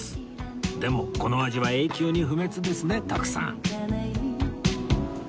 でもこの味は永久に不滅ですね徳さん